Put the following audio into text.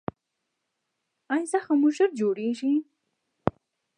ایا زخم مو ژر جوړیږي؟